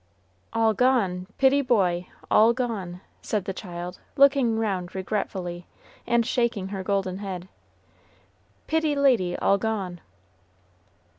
"All gone, pitty boy all gone!" said the child, looking round regretfully, and shaking her golden head; "pitty lady all gone!"